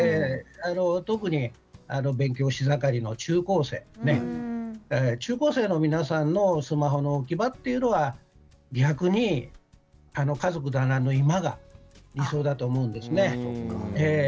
特に勉強し盛りの中高生中高生の皆さんのスマホの置き場というのは逆に家族団らんの居間が理想だと思うんですね。